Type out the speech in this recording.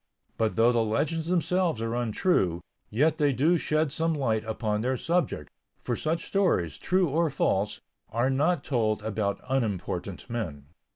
But though the legends themselves are untrue, yet they do shed some light upon their subject, for such stories, true or false, are not told about unimportant men.